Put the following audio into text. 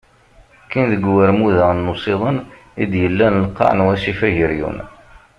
Kkin deg warmud-a n usiḍen i d-yellan lqaɛ n wasif Ageryun.